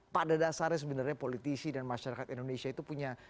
pada dasarnya sebenarnya politisi dan masyarakat indonesia itu punya